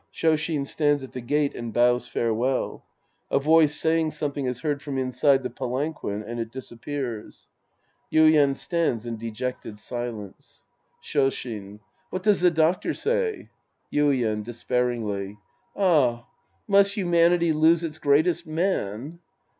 {Shoshin stands at the gate and bows farewell. A voice saying something is heard from inside the palan quin, and it disappears. Yuien stands in dejected silence^ 218 The Priest and His Disciples Act VI Shoshin. What does the doctor say ? Yuien {despairingly). Ah. Must humanity lose its greatest man